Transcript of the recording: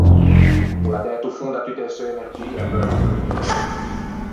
O l’à dæto fondo à tutte e seu energie apreuvo à quello progetto.